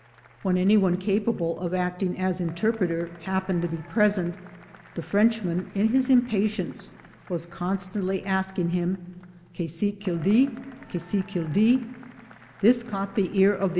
^^^len any one capable of acting as interpreter happened to be present, the Frenchm.an, in his Im patience, was constantly asking him "Quest ce quil d'ltf "Quest ce quil ditf" This caught the ear of the